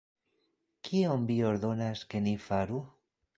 Kion vi ordonas, ke ni faru?